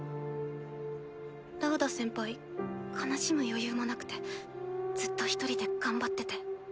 ラウダ先輩悲しむ余裕もなくてずっと一人で頑張ってて。